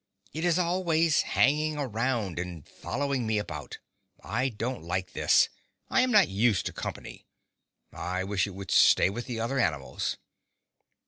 It is always hanging around and following me about. I don't like this; I am not used to company. I wish it would stay with the other animals.